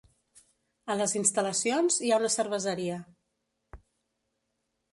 A les instal·lacions hi ha una cerveseria.